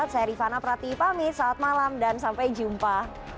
saya rifana prati pamit selamat malam dan sampai jumpa